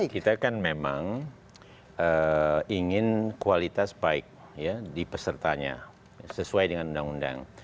kita kan memang ingin kualitas baik di pesertanya sesuai dengan undang undang